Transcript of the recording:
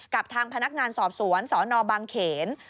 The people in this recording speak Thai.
กับทางพนักงานสอบสวนสนบางเขน